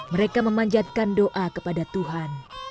mereka memanjatkan doa kepada tuhan